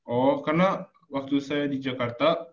oh karena waktu saya di jakarta